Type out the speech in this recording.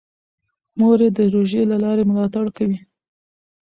مور یې د روژې له لارې ملاتړ کوي.